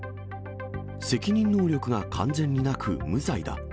責任能力が完全になく、無罪だ。